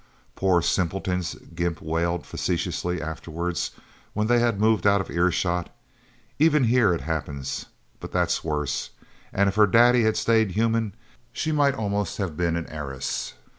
"Poor simpletons," Gimp wailed facetiously afterwards, when they had moved out of earshot. "Even here, it happens. But that's worse. And if her Daddy had stayed human, she might almost have been an heiress...